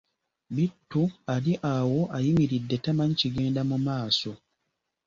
Bittu ali awo ayimiridde tamanyi kigenda mu maaso.